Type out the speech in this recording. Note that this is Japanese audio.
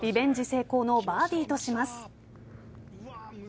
成功のバーディーとします。